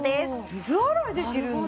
水洗いできるんだ。